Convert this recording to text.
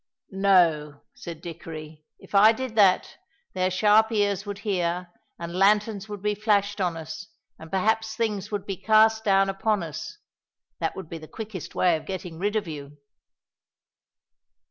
"No," said Dickory; "if I did that, their sharp ears would hear and lanterns would be flashed on us, and perhaps things would be cast down upon us. That would be the quickest way of getting rid of you."